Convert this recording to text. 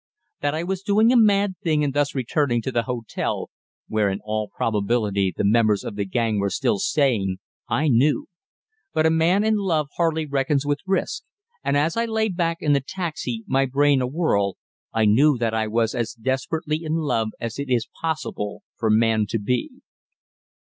That I was doing a mad thing in thus returning to the hotel, where in all probability the members of the gang were still staying, I knew. But a man in love hardly reckons with risks, and as I lay back in the taxi, my brain awhirl, I knew that I was as desperately in love as it is possible for man to be.